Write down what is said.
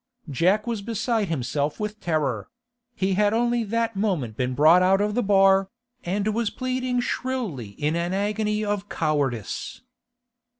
Jack was beside himself with terror; he had only that moment been brought out of the bar, and was pleading shrilly in an agony of cowardice.